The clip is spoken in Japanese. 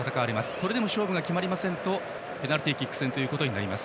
それでも勝負が決まりませんとペナルティーキック戦です。